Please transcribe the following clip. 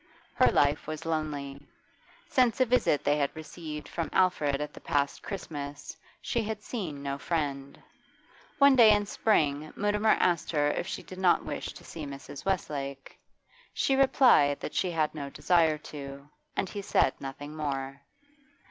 Her life was lonely; since a visit they had received from Alfred at the past Christmas she had seen no friend. One day in spring Mutimer asked her if she did not wish to see Mrs. Westlake; she replied that she had no desire to, and he said nothing more.